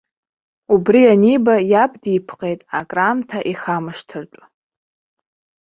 Убри аниба иаб дипҟеит акраамҭа ихамышҭыртә.